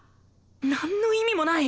なんの意味もない！